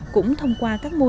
cũng thông qua các mô hình